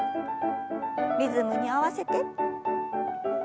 リズムに合わせて。